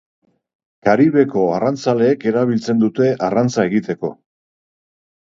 Karibeko arrantzaleek erabiltzen dute arrantza egiteko.